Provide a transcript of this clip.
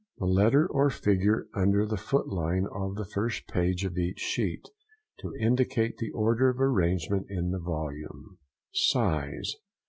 —The letter or figure under the footline of the first page of each sheet, to indicate the order of arrangement in the volume. SIZE.